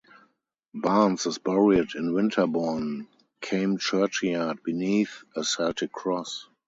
Barnes is buried in Winterborne Came churchyard beneath a Celtic cross.